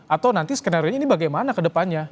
atau nanti skenario ini bagaimana ke depannya